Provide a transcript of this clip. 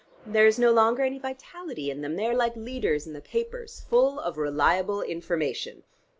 There is no longer any vitality in them: they are like leaders in the papers, full of reliable information.